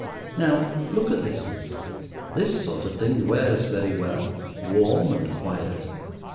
Now, look at this, miss. This sort of thing wears very well, warm and quiet.